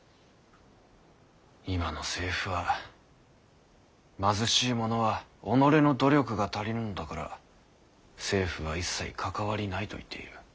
今の政府は貧しい者は己の努力が足りぬのだから政府は一切関わりないと言っている。